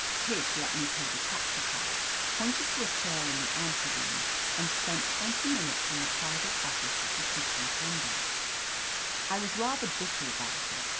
Tish let me pay the taxicab, pointed to a chair in the ante room, and spent twenty minutes in the private office of the superintendent I was rather bitter about it.